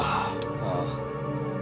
ああ。